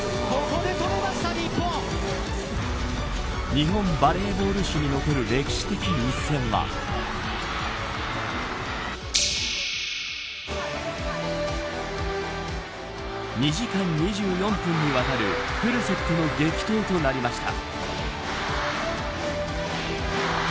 日本バレーボール史に残る歴史的一戦は２時間２４分にわたるフルセットの激闘となりました。